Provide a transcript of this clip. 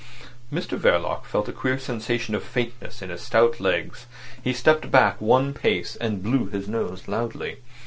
Mr Verloc felt a queer sensation of faintness in his stout legs. He stepped back one pace, and blew his nose loudly.